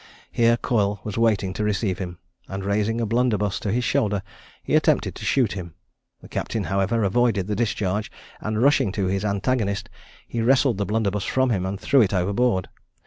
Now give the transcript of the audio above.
Here Coyle was in waiting to receive him, and raising a blunderbuss to his shoulder, he attempted to shoot him. The captain, however, avoided the discharge, and, rushing to his antagonist, he wrested the blunderbuss from him, and threw it overboard.